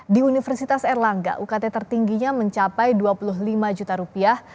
di universitas erlangga ukt tertingginya mencapai dua puluh lima juta rupiah